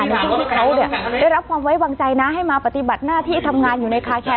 เพราะได้รับความไว้วางใจน้าให้มาปฏิบัติหน้าที่ทำงานอยู่ในคาแค